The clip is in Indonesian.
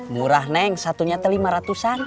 murah neng satunya lima ratus an